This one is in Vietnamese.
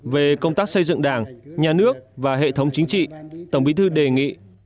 về công tác xây dựng đảng nhà nước và hệ thống chính trị tổng bí thư đề nghị